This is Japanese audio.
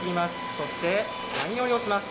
そして谷折りをします。